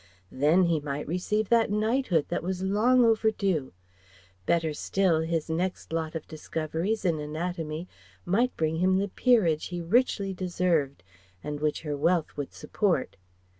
Then he might receive that knighthood that was long overdue; better still his next lot of discoveries in anatomy might bring him the peerage he richly deserved and which her wealth would support.